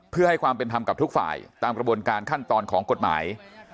เพื่อให้ความเป็นธรรมกับทุกฝ่ายตามกระบวนการขั้นตอนของกฎหมาย